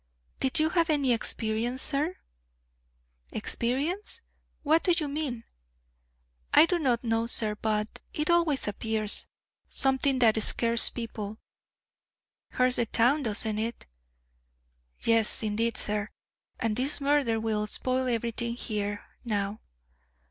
"Did you have any experience, sir?" "Experience! What do you mean?" "I do not know, sir, but it always appears. Something that scares people." "Hurts the town, doesn't it?" "Yes, indeed, sir; and this murder will spoil everything here now."